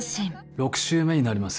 ６週目になります。